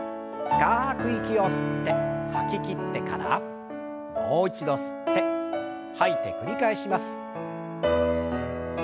深く息を吸って吐ききってからもう一度吸って吐いて繰り返します。